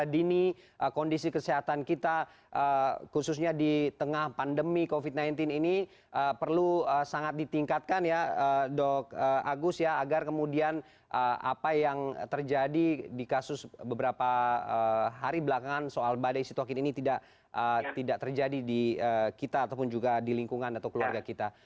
yang paling penting adalah mendeteksi secara dini kondisi kesehatan kita khususnya di tengah pandemi covid sembilan belas ini perlu sangat ditingkatkan ya dok agus ya agar kemudian apa yang terjadi di kasus beberapa hari belakangan soal badai sitokin ini tidak terjadi di kita ataupun juga di lingkungan atau keluarga kita